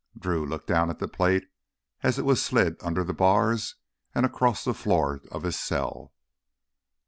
Drew looked down at the plate as it was slid under the bars and across the floor of his cell.